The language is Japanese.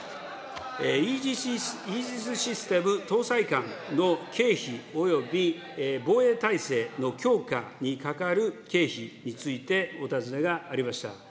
イージス・システム搭載艦の経費および防衛体制の強化にかかる経費について、お尋ねがありました。